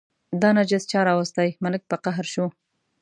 دا نجس چا راوستی، ملک په قهر شو.